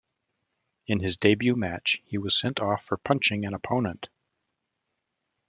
In his debut match he was sent off for punching an opponent.